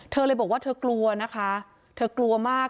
เธอเลยบอกว่าเธอกลัวนะคะเธอกลัวมาก